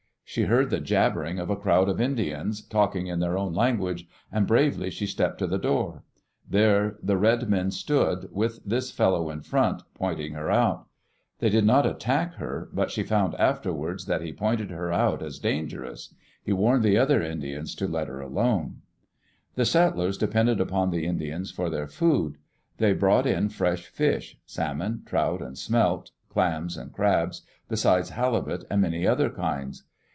She heard the jab bering of a crowd of Indians, talking in their own lan guage, and bravely she stepped to the door. There the red men stood, with this fellow in front, pointing her out. They did not attack her, but she found afterwards that Digitized by CjOOQ IC EARLY ADVENTURES IN SEATTLE he pointed her out as dangerous. He warned the other Indians to let her alone. The settlers depended upon the Indians for their food. They brought in fresh fish — salmon, trout, and smelt, clams and crabs, besides halibut and many other kinds.